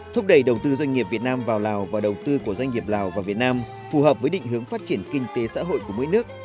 thúc đẩy đầu tư doanh nghiệp việt nam vào lào và đầu tư của doanh nghiệp lào và việt nam phù hợp với định hướng phát triển kinh tế xã hội của mỗi nước